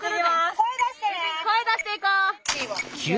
声出していこう！